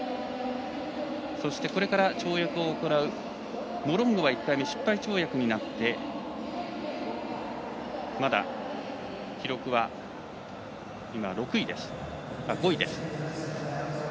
そして、これから跳躍を行うモロンゴは１回目失敗跳躍になって記録５位です。